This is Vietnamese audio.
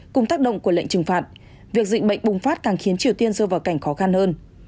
cùng tác động của lệnh trừng phạt việc dịch bệnh bùng phát càng khiến triều tiên rơi vào cảnh khó khăn hơn